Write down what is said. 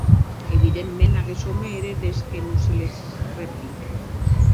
Evidentaments aqueth òme ère des que non se les replique.